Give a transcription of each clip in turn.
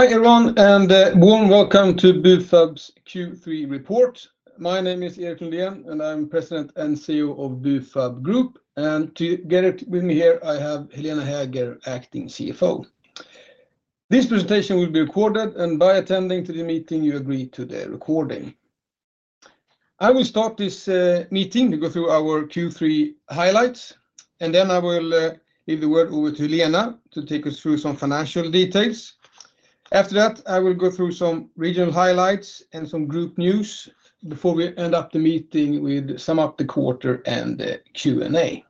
Hi everyone, and warm welcome to Bufab's Q3 report. My name is Erik Lundén, and I'm President and CEO of Bufab Group. Together with me here, I have Helena Hager, Acting CFO. This presentation will be recorded, and by attending to the meeting, you agree to the recording. I will start this meeting to go through our Q3 highlights, and then I will give the word over to Helena to take us through some financial details. After that, I will go through some regional highlights and some group news before we end up the meeting with sum up the quarter and the Q&A.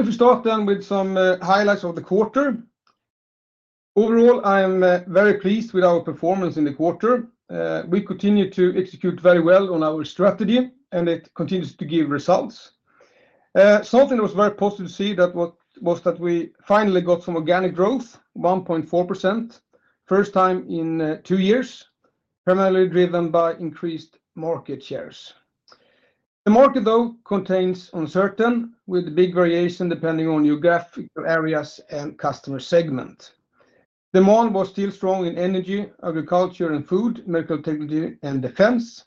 If we start then with some highlights of the quarter. Overall, I am very pleased with our performance in the quarter. We continue to execute very well on our strategy, and it continues to give results. Something that was very positive to see was that we finally got some organic growth, 1.4%, first time in two years, primarily driven by increased market shares. The market, though, contains uncertainty with the big variation depending on geographical areas and customer segments. Demand was still strong in energy, agriculture, and food, medical technology, and defense,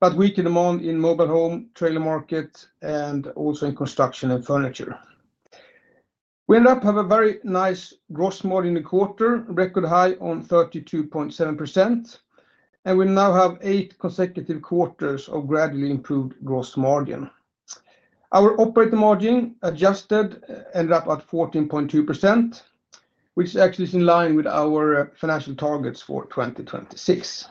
but weaker demand in mobile homes, trailer markets, and also in construction and furniture. We ended up having a very nice gross margin in the quarter, record high on 32.7%, and we now have eight consecutive quarters of gradually improved gross margin. Our operating margin adjusted and ended up at 14.2%, which is actually in line with our financial targets for 2026.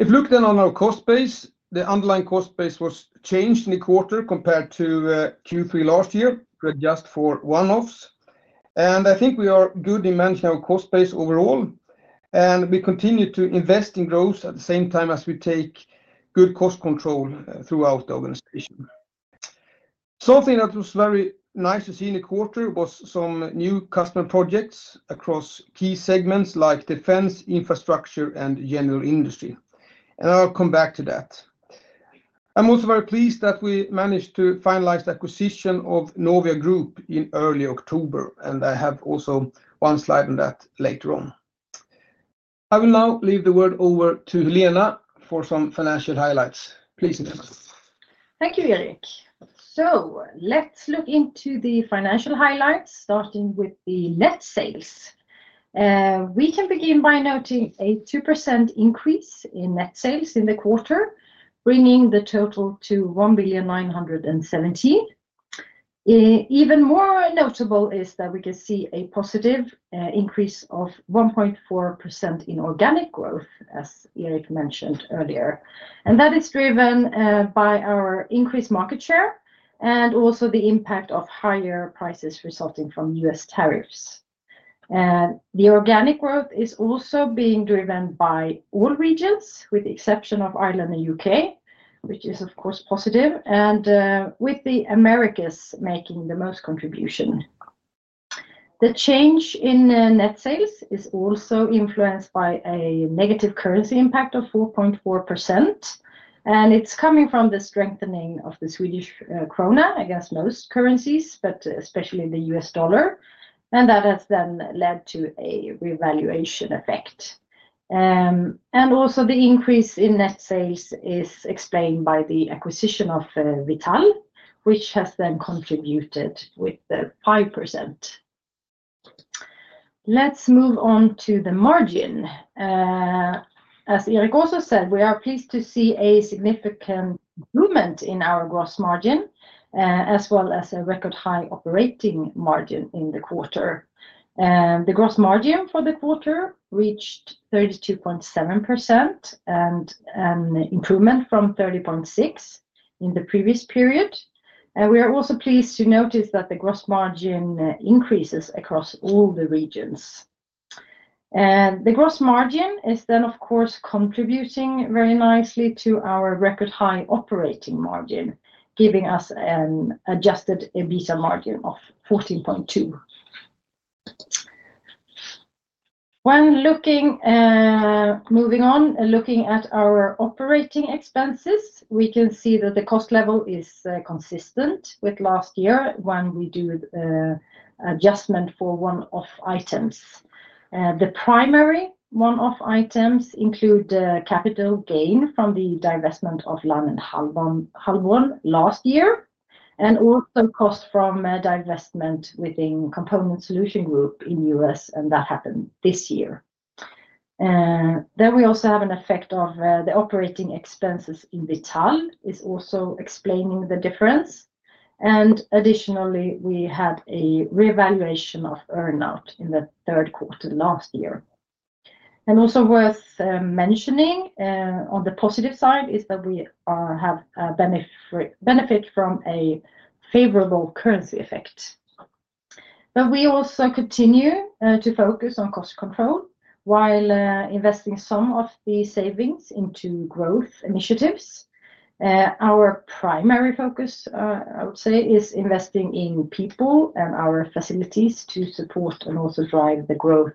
If we look then on our cost base, the underlying cost base was changed in the quarter compared to Q3 last year to adjust for one-offs. I think we are good in managing our cost base overall, and we continue to invest in growth at the same time as we take good cost control throughout the organization. Something that was very nice to see in the quarter was some new customer projects across key segments like defense, infrastructure, and general industry. I'll come back to that. I am also very pleased that we managed to finalize the acquisition of Novia Group in early October, and I have also one slide on that later on. I will now leave the word over to Helena for some financial highlights. Please introduce. Thank you, Erik. Let's look into the financial highlights, starting with the net sales. We can begin by noting a 2% increase in net sales in the quarter, bringing the total to 1,917 million. Even more notable is that we can see a positive increase of 1.4% in organic growth, as Erik mentioned earlier. That is driven by our increased market share and also the impact of higher prices resulting from U.S. tariffs. The organic growth is also being driven by all regions, with the exception of Ireland and the U.K., which is of course positive, and with the Americas making the most contribution. The change in net sales is also influenced by a negative currency impact of 4.4%, and it's coming from the strengthening of the Swedish krona against most currencies, but especially the U.S. dollar, and that has then led to a revaluation effect. The increase in net sales is explained by the acquisition of Vital, which has then contributed with 5%. Let's move on to the margin. As Erik also said, we are pleased to see a significant improvement in our gross margin, as well as a record high operating margin in the quarter. The gross margin for the quarter reached 32.7%, an improvement from 30.6% in the previous period. We are also pleased to notice that the gross margin increases across all the regions. The gross margin is then, of course, contributing very nicely to our record high operating margin, giving us an adjusted EBITDA margin of 14.2%. Moving on and looking at our operating expenses, we can see that the cost level is consistent with last year when we do an adjustment for one-off items. The primary one-off items include the capital gain from the divestment of Lannenhalvan last year, and also cost from a divestment within Component Solutions Group in the U.S., and that happened this year. We also have an effect of the operating expenses in Vital, which is also explaining the difference. Additionally, we had a revaluation of earnout in the third quarter last year. Also worth mentioning on the positive side is that we have a benefit from a favorable currency effect. We also continue to focus on cost control while investing some of the savings into growth initiatives. Our primary focus, I would say, is investing in people and our facilities to support and also drive the growth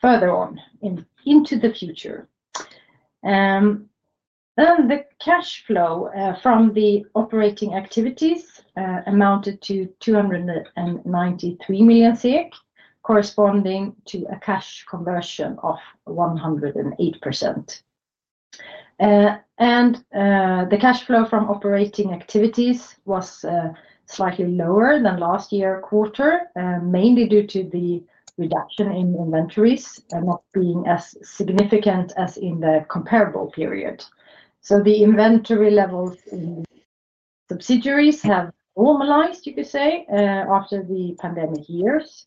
further on into the future. The cash flow from the operating activities amounted to 293 million, corresponding to a cash conversion of 108%. The cash flow from operating activities was slightly lower than last year's quarter, mainly due to the reduction in inventories not being as significant as in the comparable period. The inventory levels in subsidiaries have normalized, you could say, after the pandemic years.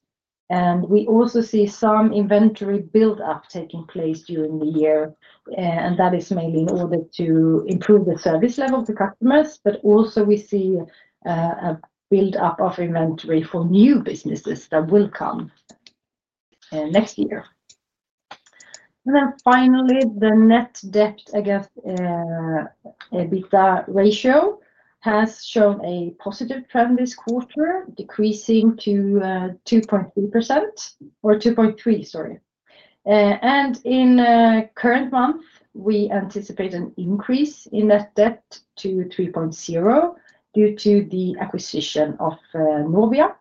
We also see some inventory buildup taking place during the year, and that is mainly in order to improve the service level of the customers, but also we see a buildup of inventory for new businesses that will come next year. Finally, the net debt/EBITDA ratio has shown a positive trend this quarter, decreasing to 2.3%. In the current month, we anticipate an increase in net debt to 3.0% due to the acquisition of Novia Group.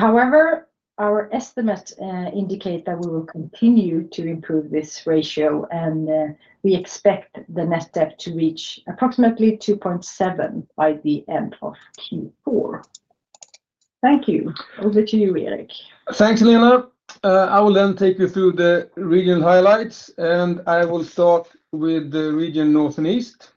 However, our estimates indicate that we will continue to improve this ratio, and we expect the net debt/EBITDA ratio to reach approximately 2.7% by the end of Q4. Thank you. Over to you, Erik. Thanks, Helena. I will then take you through the regional highlights, and I will start with the region North & East.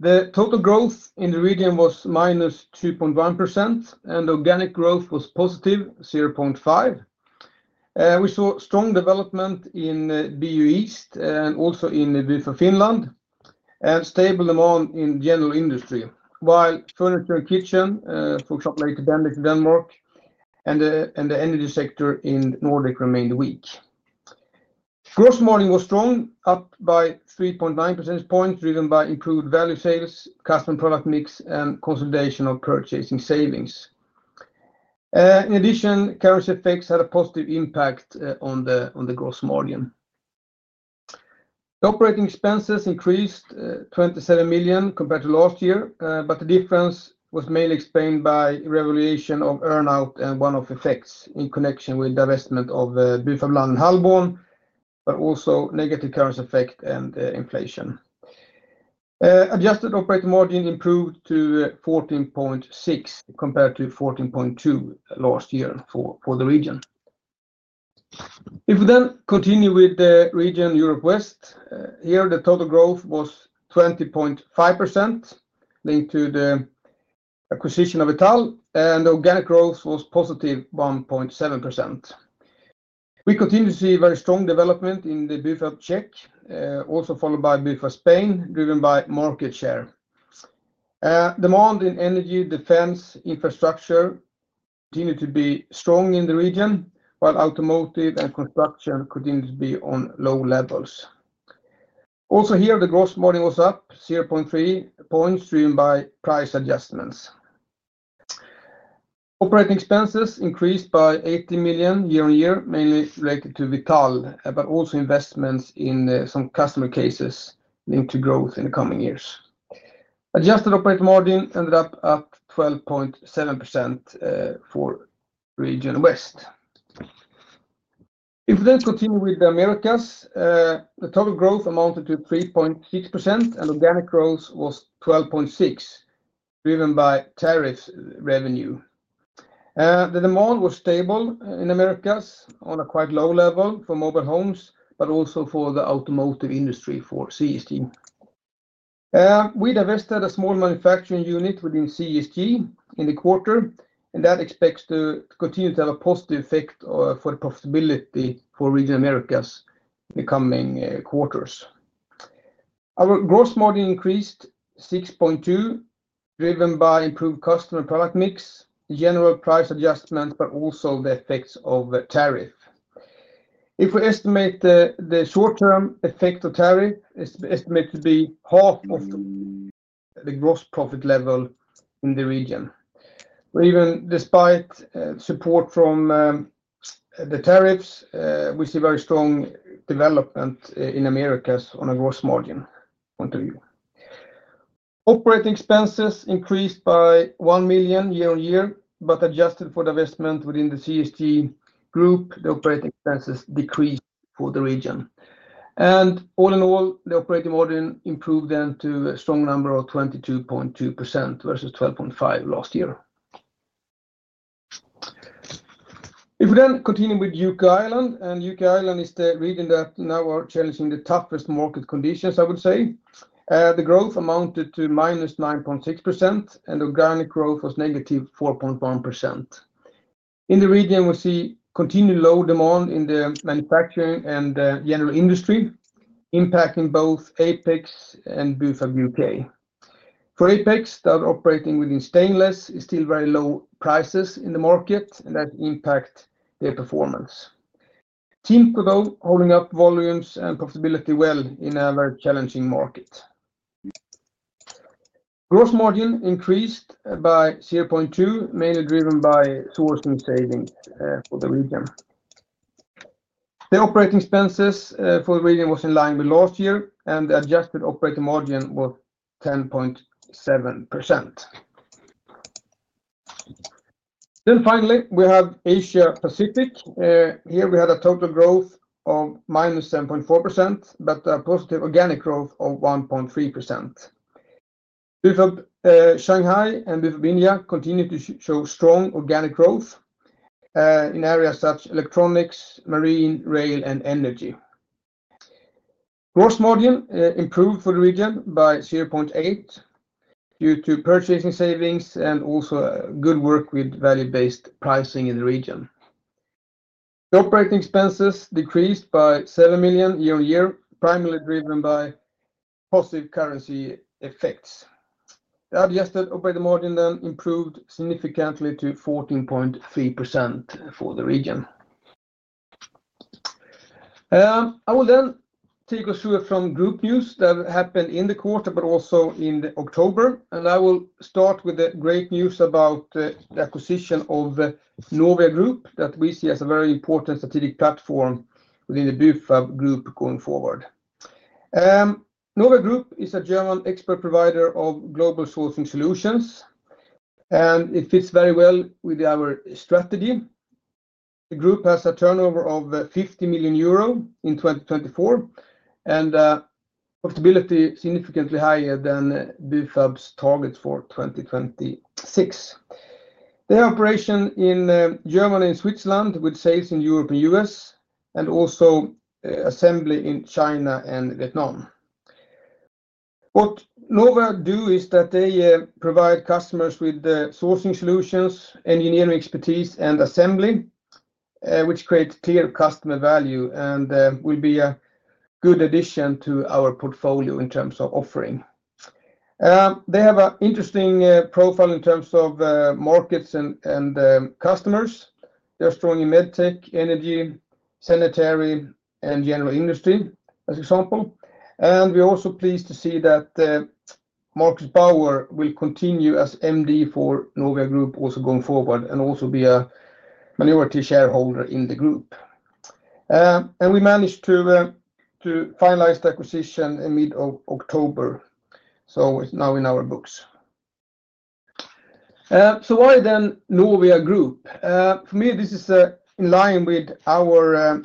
The total growth in the region was -2.1%, and organic growth was positive 0.5%. We saw strong development in BU East and also in Bufab Finland, and stable demand in general industry, while furniture and kitchen, for example, at Denmark and the energy sector in the Nordic, remained weak. Gross margin was strong, up by 3.9% points, driven by improved value sales, customer product mix, and consolidation of purchasing savings. In addition, carousel effects had a positive impact on the gross margin. Operating expenses increased 27 million compared to last year, but the difference was mainly explained by revaluation of earnout and one-off effects in connection with divestment of Bufab Lannenhalvan, but also negative carousel effect and inflation. Adjusted operating margin improved to 14.6% compared to 14.2% last year for the region. If we then continue with the region Europe West, here the total growth was 20.5% linked to the acquisition of Vital, and the organic growth was positive 1.7%. We continue to see very strong development in Bufab Czech, also followed by Bufab Spain, driven by market share. Demand in energy, defense, and infrastructure continued to be strong in the region, while automotive and construction continued to be on low levels. Also here, the gross margin was up 0.3%, driven by price adjustments. Operating expenses increased by 80 million year on year, mainly related to Vital, but also investments in some customer cases linked to growth in the coming years. Adjusted operating margin ended up at 12.7% for the region West. If we then continue with the Americas, the total growth amounted to 3.6%, and organic growth was 12.6%, driven by tariffs revenue. The demand was stable in the Americas on a quite low level for mobile homes, but also for the automotive industry for CST. We divested a small manufacturing unit within CST in the quarter, and that expects to continue to have a positive effect for the profitability for region Americas in the coming quarters. Our gross margin increased 6.2%, driven by improved customer product mix, general price adjustments, but also the effects of tariffs. If we estimate the short-term effect of tariffs, it's estimated to be half of the gross profit level in the region. Even despite support from the tariffs, we see very strong development in the Americas on a gross margin point of view. Operating expenses increased by $1 million year on year, but adjusted for divestment within the CST group, the operating expenses decreased for the region. All in all, the operating margin improved to a strong number of 22.2% versus 12.5% last year. If we continue with U.K. and Ireland, U.K. and Ireland is the region that now are challenging the toughest market conditions, I would say. The growth amounted to -9.6%, and organic growth was -4.1%. In the region, we see continued low demand in the manufacturing and general industry, impacting both Apex and Bufab U.K.. For Apex, that operating within stainless, there are still very low prices in the market, and that impacts their performance. Timco, though, is holding up volumes and profitability well in a very challenging market. Gross margin increased by 0.2%, mainly driven by sourcing savings for the region. The operating expenses for the region were in line with last year, and the adjusted operating margin was 10.7%. Finally, we have Asia Pacific. Here we had a total growth of -7.4%, but a positive organic growth of 1.3%. Bufab Shanghai and Bufab India continue to show strong organic growth in areas such as electronics, marine, rail, and energy. Gross margin improved for the region by 0.8% due to purchasing savings and also good work with value-based pricing in the region. The operating expenses decreased by $7 million year on year, primarily driven by positive currency effects. The adjusted operating margin then improved significantly to 14.3% for the region. I will take us through some group news that happened in the quarter, but also in October. I will start with the great news about the acquisition of Novia Group that we see as a very important strategic platform within the Bufab Group going forward. Novia Group is a German expert provider of global sourcing solutions, and it fits very well with our strategy. The group has a turnover of €50 million in 2024, and profitability is significantly higher than Bufab's targets for 2026. They have operations in Germany and Switzerland, with sales in Europe and the U.S., and also assembly in China and Vietnam. What Novia does is that they provide customers with sourcing solutions, engineering expertise, and assembly, which creates clear customer value and will be a good addition to our portfolio in terms of offering. They have an interesting profile in terms of markets and customers. They are strong in medtech, energy, sanitary, and general industry, as an example. We are also pleased to see that Marcus Bauer will continue as MD for Novia Group also going forward and also be a minority shareholder in the group. We managed to finalize the acquisition in mid-October, so it's now in our books. Why then Novia Group? For me, this is in line with our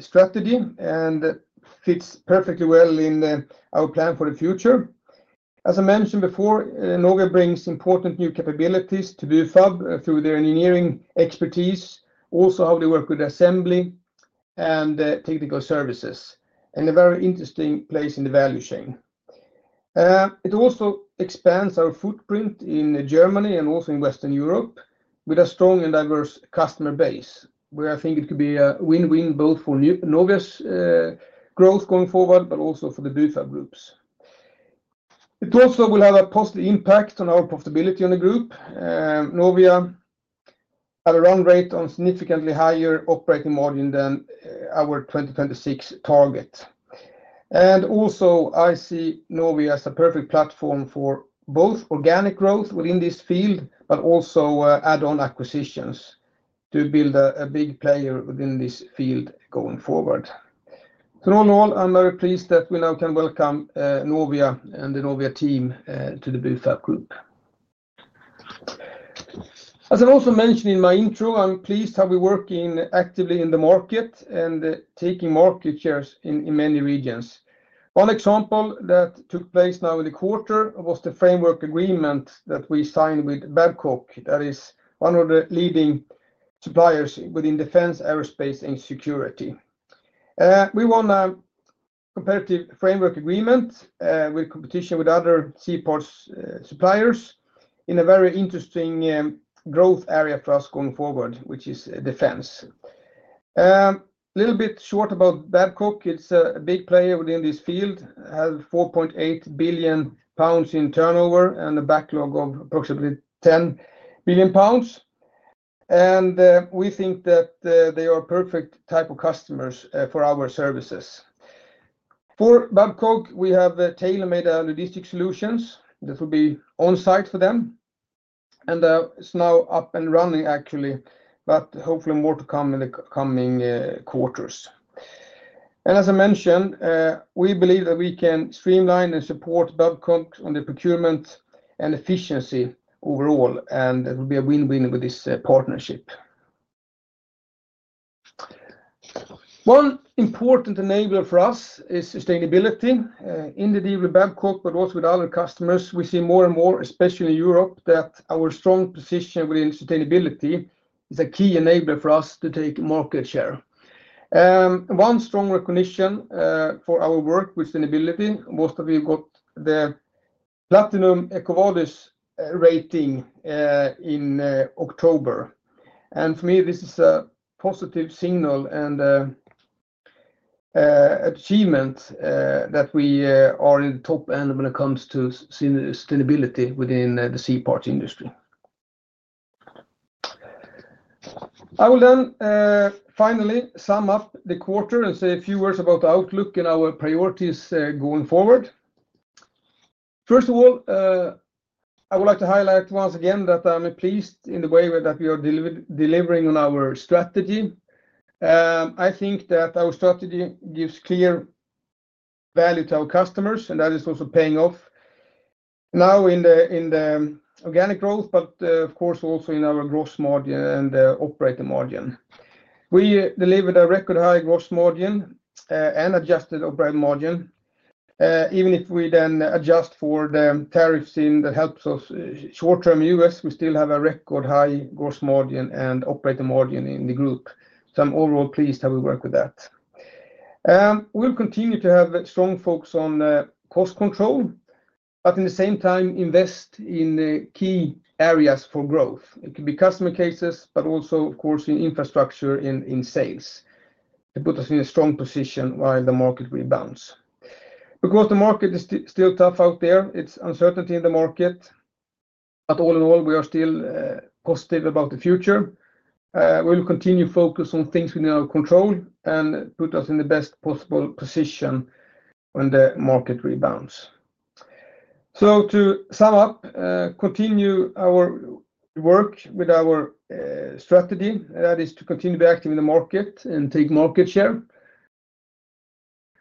strategy and fits perfectly well in our plan for the future. As I mentioned before, Novia brings important new capabilities to Bufab through their engineering expertise, also how they work with assembly and technical services, and a very interesting place in the value chain. It also expands our footprint in Germany and also in Western Europe with a strong and diverse customer base, where I think it could be a win-win both for Novia's growth going forward, but also for the Bufab Group. It also will have a positive impact on our profitability in the group. Novia had a run rate on a significantly higher operating margin than our 2026 target. I see Novia as a perfect platform for both organic growth within this field, but also add-on acquisitions to build a big player within this field going forward. All in all, I'm very pleased that we now can welcome Novia and the Novia team to the Bufab Group. As I also mentioned in my intro, I'm pleased how we're working actively in the market and taking market shares in many regions. One example that took place now in the quarter was the framework agreement that we signed with Babcock, that is one of the leading suppliers within defense, aerospace, and security. We won a competitive framework agreement with competition with other C-parts suppliers in a very interesting growth area for us going forward, which is defense. A little bit short about Babcock, it's a big player within this field, has 4.8 billion pounds in turnover and a backlog of approximately 10 billion pounds. We think that they are a perfect type of customers for our services. For Babcock, we have tailor-made logistic solutions that will be on-site for them. It's now up and running, actually, but hopefully more to come in the coming quarters. As I mentioned, we believe that we can streamline and support Babcock on the procurement and efficiency overall, and it will be a win-win with this partnership. One important enabler for us is sustainability. In the deal with Babcock International Group, but also with other customers, we see more and more, especially in Europe, that our strong position within sustainability is a key enabler for us to take market share. One strong recognition for our work with sustainability was that we got the Platinum EcoVadis rating in October. For me, this is a positive signal and achievement that we are in the top end when it comes to sustainability within the C-parts industry. I will then finally sum up the quarter and say a few words about the outlook and our priorities going forward. First of all, I would like to highlight once again that I'm pleased in the way that we are delivering on our strategy. I think that our strategy gives clear value to our customers, and that is also paying off now in the organic growth, but of course also in our gross margin and operating margin. We delivered a record high gross margin and adjusted operating margin. Even if we then adjust for the tariffs that help us short-term in the U.S., we still have a record high gross margin and operating margin in the group. I am overall pleased how we work with that. We'll continue to have strong focus on cost control, but at the same time invest in key areas for growth. It could be customer cases, but also of course in infrastructure in sales. It puts us in a strong position while the market rebounds. The market is still tough out there, it's uncertainty in the market, but all in all, we are still positive about the future. We'll continue to focus on things within our control and put us in the best possible position when the market rebounds. To sum up, continue our work with our strategy, that is to continue to be active in the market and take market share.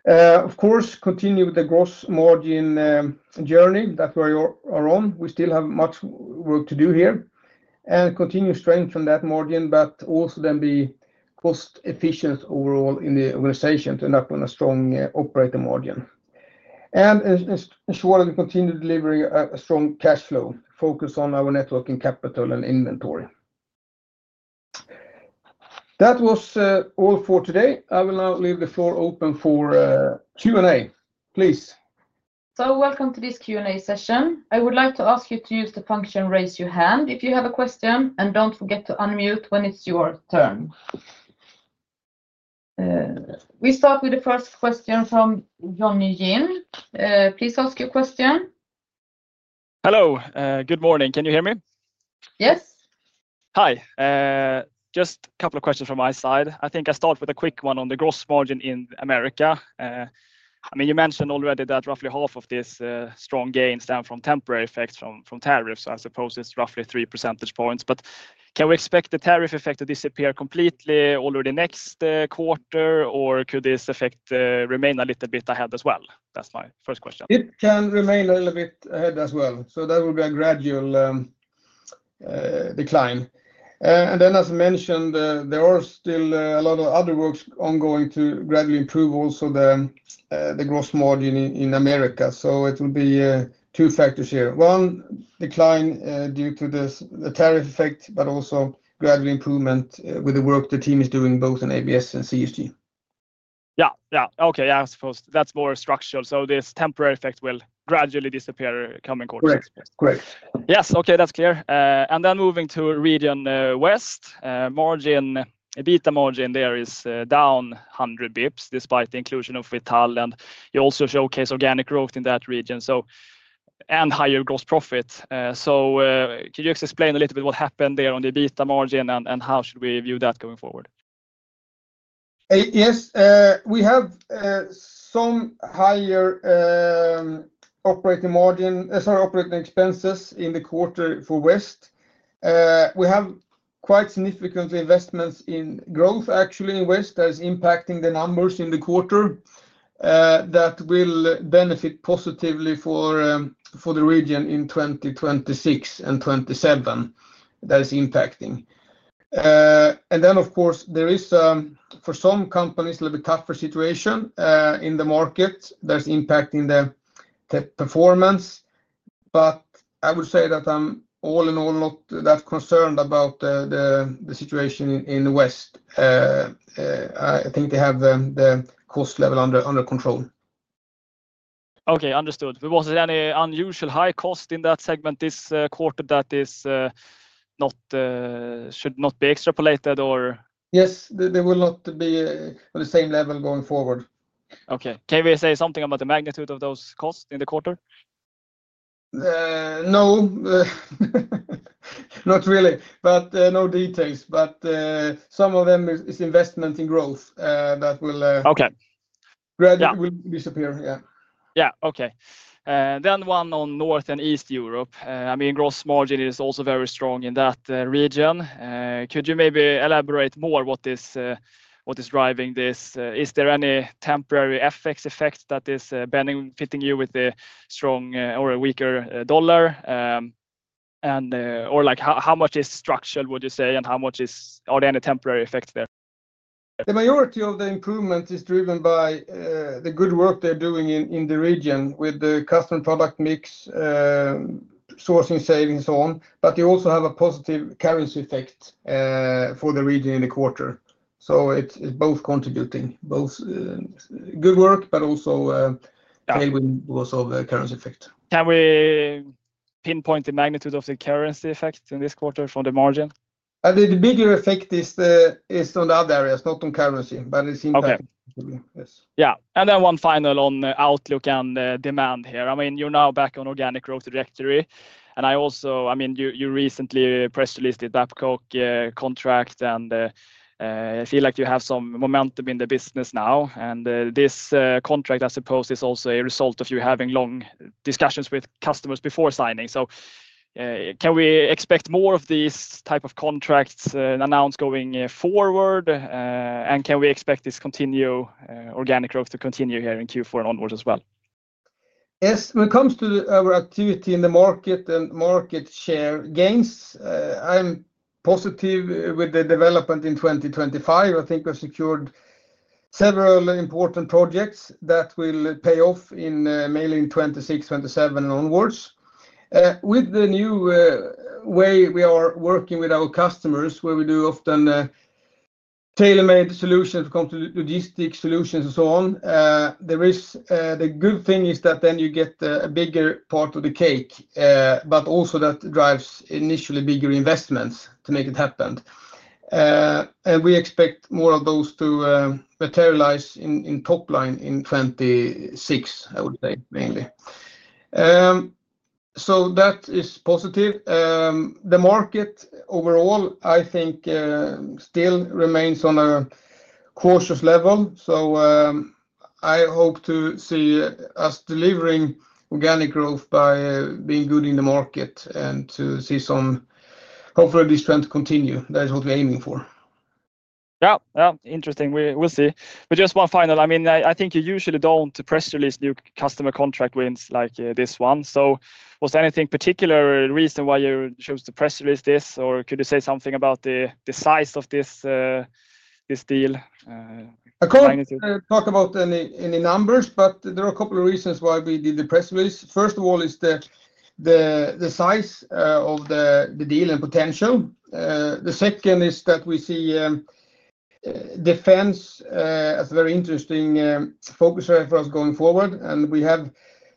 Of course, continue with the gross margin journey that we are on. We still have much work to do here and continue to strengthen that margin, but also then be cost-efficient overall in the organization to end up on a strong operating margin. Ensure that we continue delivering a strong cash flow, focus on our networking capital and inventory. That was all for today. I will now leave the floor open for Q&A, please. Welcome to this Q&A session. I would like to ask you to use the function raise your hand if you have a question, and don't forget to unmute when it's your turn. We start with the first question from Johan Sandberg. Please ask your question. Hello. Good morning. Can you hear me? Yes. Hi. Just a couple of questions from my side. I think I'll start with a quick one on the gross margin in Americas. I mean, you mentioned already that roughly half of this strong gain stems from temporary effects from tariffs, so I suppose it's roughly 3%. Can we expect the tariff effect to disappear completely already next quarter, or could this effect remain a little bit ahead as well? That's my first question. It can remain a little bit ahead as well, so that will be a gradual decline. As I mentioned, there are still a lot of other works ongoing to gradually improve also the gross margin in Americas. It will be two factors here: one, decline due to the tariff effect, but also gradual improvement with the work the team is doing both in ABS and CST. Okay. I suppose that's more structural. This temporary effect will gradually disappear coming quarters. Correct. Correct. Yes. Okay. That's clear. Moving to region Europe West, EBITDA margin there is down 100 bps despite the inclusion of Vital, and you also showcase organic growth in that region and higher gross profit. Can you explain a little bit what happened there on the EBITDA margin and how should we view that going forward? Yes. We have some higher operating expenses in the quarter for West. We have quite significant investments in growth, actually, in West that is impacting the numbers in the quarter that will benefit positively for the region in 2026 and 2027. That is impacting. Of course, there is for some companies a little bit tougher situation in the market that is impacting the performance. I would say that I'm all in all not that concerned about the situation in West. I think they have the cost level under control. Okay. Understood. Was it any unusual high cost in that segment this quarter that should not be extrapolated, or? Yes, they will not be on the same level going forward. Okay. Can we say something about the magnitude of those costs in the quarter? No, not really, no details. Some of them is investment in growth that will gradually disappear. Yeah. Okay. Then one on North & East. I mean, gross margin is also very strong in that region. Could you maybe elaborate more what is driving this? Is there any temporary effects that is benefiting you with the strong or a weaker dollar? How much is structural, would you say, and how much is are there any temporary effects there? The majority of the improvement is driven by the good work they're doing in the region with the customer product mix, sourcing savings, and so on. They also have a positive currency effect for the region in the quarter. It's both contributing, both good work, but also tailwind because of the currency effect. Can we pinpoint the magnitude of the currency effect in this quarter from the margin? The bigger effect is on the other areas, not on currency, but it's impacting the margin. Yes. Okay. Yeah. One final on outlook and demand here. You're now back on organic growth trajectory. I mean, you recently press-released the Babcock International Group contract, and I feel like you have some momentum in the business now. This contract, I suppose, is also a result of you having long discussions with customers before signing. Can we expect more of these types of contracts announced going forward? Can we expect this organic growth to continue here in Q4 and onwards as well? Yes. When it comes to our activity in the market and market share gains, I'm positive with the development in 2025. I think we've secured several important projects that will pay off mainly in 2026, 2027, and onwards. With the new way we are working with our customers, where we do often tailor-made solutions when it comes to logistic solutions and so on, the good thing is that you get a bigger part of the cake, but also that drives initially bigger investments to make it happen. We expect more of those to materialize in top line in 2026, I would say, mainly. That is positive. The market overall, I think, still remains on a cautious level. I hope to see us delivering organic growth by being good in the market and to see some hopefully this trend continue. That is what we're aiming for. Yeah. Interesting. We'll see. Just one final, I mean, I think you usually don't press-release new customer contract wins like this one. Was there any particular reason why you chose to press-release this, or could you say something about the size of this deal? I can't talk about any numbers, but there are a couple of reasons why we did the press release. First of all, it's the size of the deal and potential. The second is that we see defense as a very interesting focus area for us going forward, and we have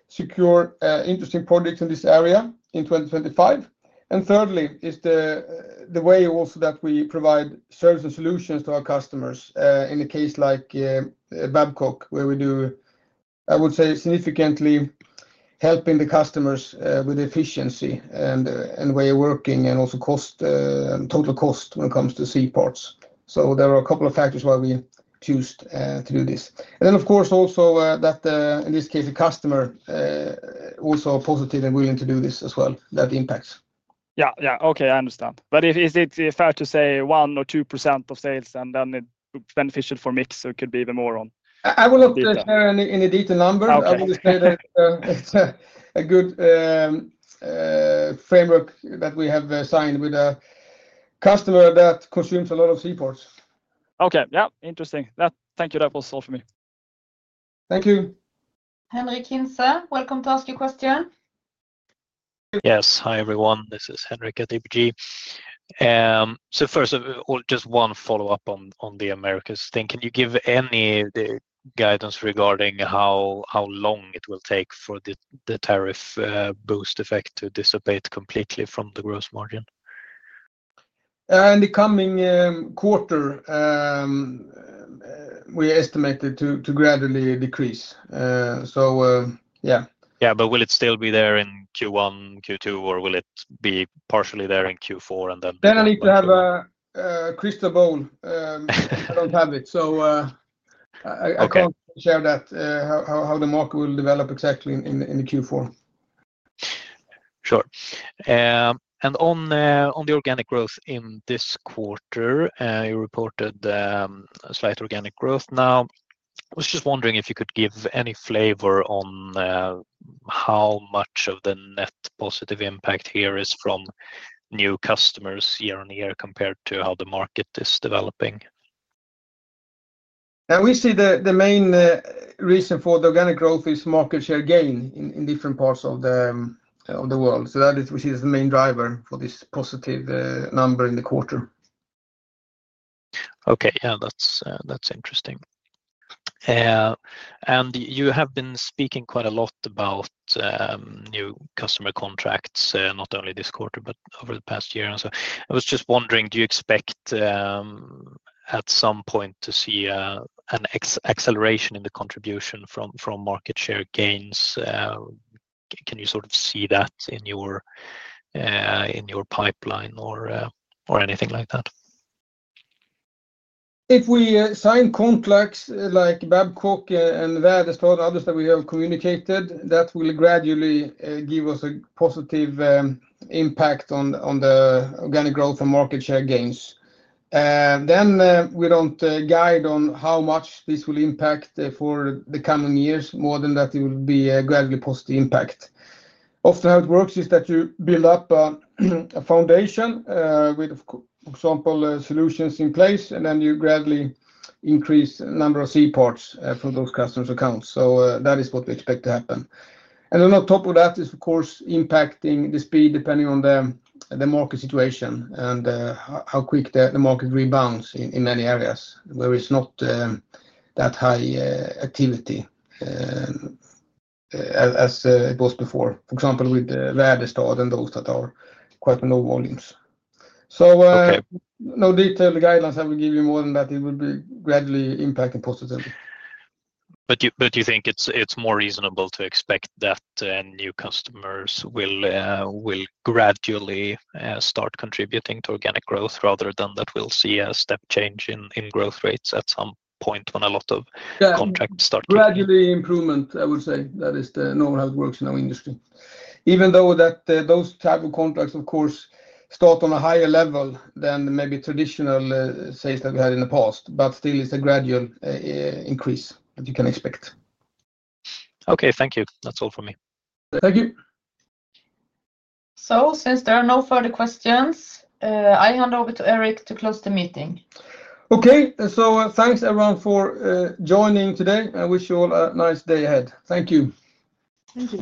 secured interesting projects in this area in 2025. Thirdly, it's the way also that we provide service and solutions to our customers in a case like Babcock International Group, where we do, I would say, significantly help the customers with efficiency and the way of working and also cost and total cost when it comes to C-parts. There are a couple of factors why we choose to do this. Of course, also that in this case, the customer is also positive and willing to do this as well, that impacts. Okay. I understand. Is it fair to say 1% or 2% of sales, and then it's beneficial for mix? It could be even more on. I will not share any detailed number. I will say that it's a good framework agreement that we have signed with a customer that consumes a lot of C-parts. Okay. Interesting. Thank you. That was all for me. Thank you. Henric Hintze, welcome to ask your question. Yes. Hi, everyone. This is Henric. First of all, just one follow-up on the Americas thing. Can you give any guidance regarding how long it will take for the tariff boost effect to dissipate completely from the gross margin? In the coming quarter, we estimate it to gradually decrease. Will it still be there in Q1, Q2, or will it be partially there in Q4 and then? I need to have a crystal ball. I don't have it, so I can't share that, how the market will develop exactly in Q4. Sure. On the organic growth in this quarter, you reported slight organic growth. I was just wondering if you could give any flavor on how much of the net positive impact here is from new customers year on year compared to how the market is developing. We see the main reason for the organic growth is market share gain in different parts of the world. We see it as the main driver for this positive number in the quarter. Okay. That's interesting. You have been speaking quite a lot about new customer contracts, not only this quarter, but over the past year or so. I was just wondering, do you expect at some point to see an acceleration in the contribution from market share gains? Can you sort of see that in your pipeline or anything like that? If we sign contracts like Babcock International Group and others that we have communicated, that will gradually give us a positive impact on the organic growth and market share gains. We don't guide on how much this will impact for the coming years, more than that it will be a gradually positive impact. Often how it works is that you build up a foundation with, for example, solutions in place, and then you gradually increase the number of C-parts for those customers' accounts. That is what we expect to happen. On top of that, it is, of course, impacting the speed depending on the market situation and how quick the market rebounds in many areas where it's not that high activity as it was before, for example, with those that are quite low volumes. No detailed guidelines I will give you, more than that it will be gradually impacting positively. Do you think it's more reasonable to expect that new customers will gradually start contributing to organic growth rather than that we'll see a step change in growth rates at some point when a lot of contracts start? Yeah. Gradual improvement, I would say. That is the normal how it works in our industry. Even though those types of contracts, of course, start on a higher level than maybe traditional sales that we had in the past, it's a gradual increase that you can expect. Okay, thank you. That's all for me. Thank you. There are no further questions. I hand over to Erik Lundén to close the meeting. Okay. Thanks, everyone, for joining today. I wish you all a nice day ahead. Thank you. Thank you.